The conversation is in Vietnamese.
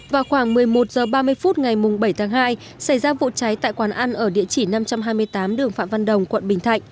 vào khoảng một mươi một h ba mươi phút ngày bảy tháng hai xảy ra vụ cháy tại quán ăn ở địa chỉ năm trăm hai mươi tám đường phạm văn đồng quận bình thạnh